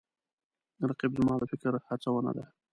رقیب زما د فکر هڅونه ده